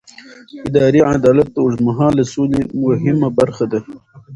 اداري عدالت د اوږدمهاله سولې مهمه برخه ده